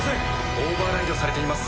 オーバーライドされています。